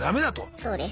そうです。